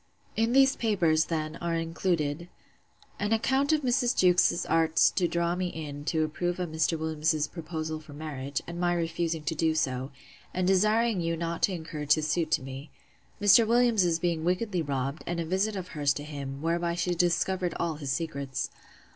In these papers, then, are included, 'An account of Mrs. Jewkes's arts to draw me in to approve of Mr. Williams's proposal for marriage; and my refusing to do so; and desiring you not to encourage his suit to me. Mr. Williams's being wickedly robbed, and a visit of hers to him; whereby she discovered all his secrets.